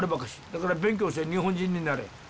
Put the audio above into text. だから「勉強せい日本人になれ。